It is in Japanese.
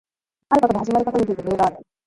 あることが始まることについて理由がある